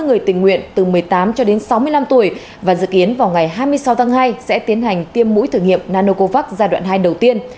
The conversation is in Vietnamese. người tình nguyện từ một mươi tám cho đến sáu mươi năm tuổi và dự kiến vào ngày hai mươi sáu tháng hai sẽ tiến hành tiêm mũi thử nghiệm nanocovax giai đoạn hai đầu tiên